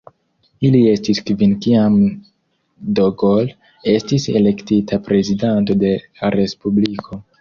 Ili estis kvin kiam de Gaulle estis elektita prezidanto de Respubliko.